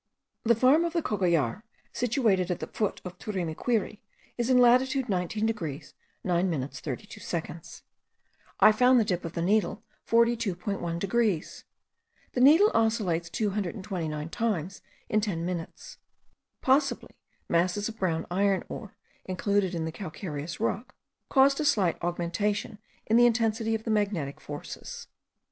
The farm of the Cocollar, situated at the foot of the Turimiquiri, is in latitude 19 degrees 9 minutes 32 seconds. I found the dip of the needle 42.1 degrees. The needle oscillates 229 times in ten minutes. Possibly masses of brown iron ore, included in the calcareous rock, caused a slight augmentation in the intensity of the magnetic forces.